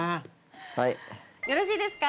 はいよろしいですか？